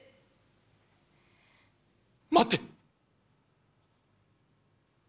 待て。